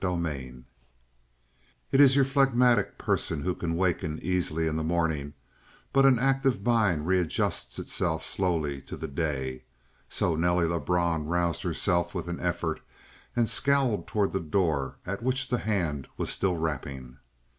29 It is your phlegmatic person who can waken easily in the morning, but an active mind readjusts itself slowly to the day. So Nelly Lebrun roused herself with an effort and scowled toward the door at which the hand was still rapping.